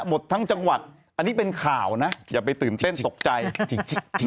หมดทั้งจังหวัดอันนี้เป็นข่าวนะอย่าไปตื่นเต้นตกใจจริง